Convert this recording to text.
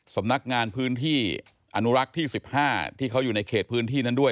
สำนักงานพื้นที่อนุรักษ์ที่๑๕ที่เขาอยู่ในเขตพื้นที่นั้นด้วย